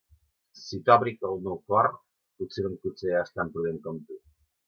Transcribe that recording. Si t'òbric l meu cor, potser no em consideraràs tant prudent com tu.